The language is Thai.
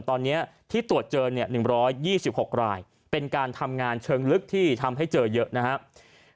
ตอนนี้ที่ตรวจเจอ๑๒๖รายเป็นการทำงานเชิงลึกที่ทำให้เจอเยอะนะครับ